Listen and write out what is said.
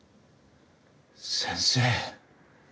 先生。